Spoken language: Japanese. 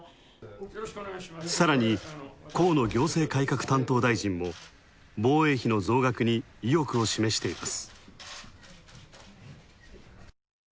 さらに、河野行政改革担当大臣も防衛費の増額に意欲を示しています。